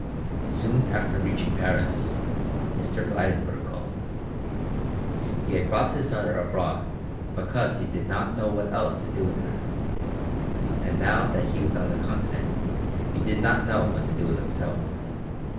Soon after reaching Paris, Mr. Blydenburg called. He had brought his daughter abroad because he did not know what else to do with her, and now that he was on the Continent he did not know what to do with himself.